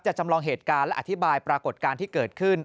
จำลองเหตุการณ์และอธิบายปรากฏการณ์ที่เกิดขึ้น